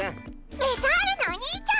メサアルのお兄ちゃん！